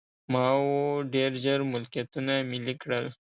ماوو ډېر ژر ملکیتونه ملي کړل.